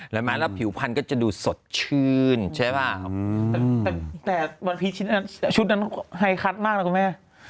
แม้แล้วผิวพันธุ์ก็จะดูสดชื่นใช่ไหมคะ